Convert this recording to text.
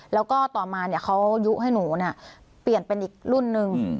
แล้วก็ต่อมาเขายุให้หนูเปลี่ยนเป็นอีกรุ่นนึง